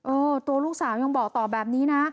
ตัวลูกสาวยังบอกต่อแบบนี้นะ